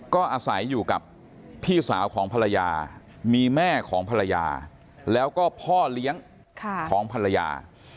ก็อาศัยอยู่กับพี่สาวของภรรยามีแม่ของภรรยาแล้วก็พ่อเลี้ยงของภรรยา